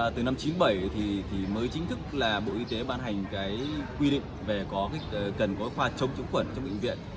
từ năm chín mươi bảy thì mới chính thức là bộ y tế ban hành cái quy định về cần có khoa chống khuẩn trong bệnh viện